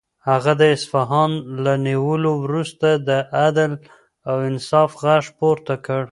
هغه د اصفهان له نیولو وروسته د عدل او انصاف غږ پورته کړ.